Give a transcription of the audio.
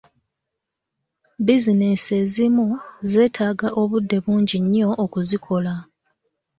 Bizinensi ezimu zeetaaga obudde bungi nnyo okuzikola.